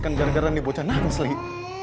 gara gara nih bocanak mestri